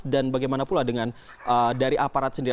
dan bagaimana pula dengan dari aparat sendiri